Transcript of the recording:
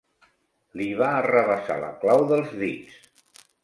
Li va arrabassar la clau dels dits.